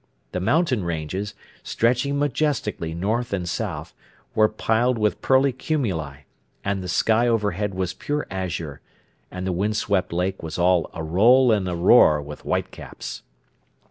The mountain ranges, stretching majestically north and south, were piled with pearly cumuli, the sky overhead was pure azure, and the wind swept lake was all aroll and aroar with whitecaps.